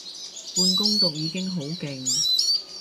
半工讀已經好勁